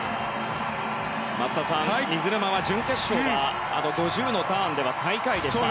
松田さん、水沼は準決勝は５０のターンでは最下位でした。